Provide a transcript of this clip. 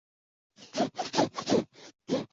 使其成为牛津大学中经费第四多的学院。